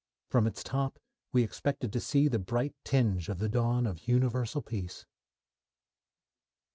From its top we expected to see the bright tinge of the dawn of universal peace.